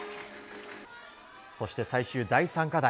そして最終、第３課題。